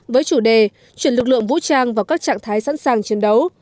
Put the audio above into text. với chủ đề chuyển lực lượng vũ trang vào các trạng thái sẵn sàng chiến đấu